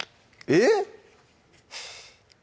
えっ？